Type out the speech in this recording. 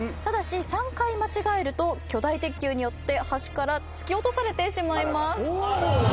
ただし３回間違えると巨大鉄球によって橋から突き落とされてしまいます。